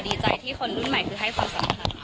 ดีใจที่คนรุ่นใหม่คือให้ความสำคัญ